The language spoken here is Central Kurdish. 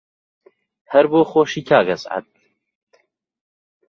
هەر بۆ خۆشی کاک ئەسعەد